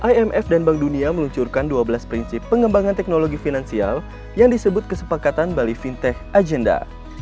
imf dan bank dunia meluncurkan dua belas prinsip pengembangan teknologi finansial yang disebut kesepakatan bali fintech agenda